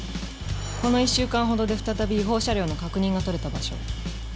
この１週間ほどで再び違法車両の確認が取れた場所。